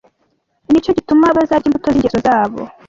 ni cyo gituma bazarya imbuto z’ingeso zabo